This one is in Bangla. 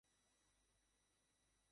আমি খুব হতাশ।